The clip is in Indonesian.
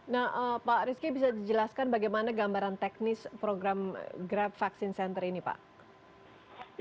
nah pak rizky bisa dijelaskan bagaimana gambaran teknis program grab vaksin center ini pak